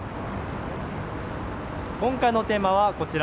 今回のテーマはこちら。